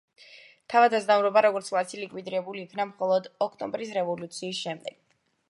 თავადაზნაურობა, როგორც კლასი, ლიკვიდირებულ იქნა მხოლოდ ოქტომბრის რევოლუციის შემდეგ.